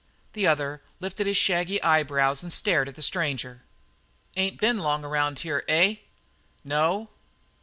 The other lifted his shaggy eyebrows and stared at the stranger. "Ain't been long around here, eh?" "No."